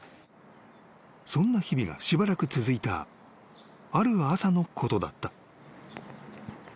［そんな日々がしばらく続いたある朝のことだった］